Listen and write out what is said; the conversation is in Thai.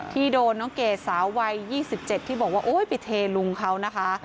ที่โดนน้องเกดสาววัย๒๗ที่บอกว่าโอ๊ยไปเทลุงเขานะคะ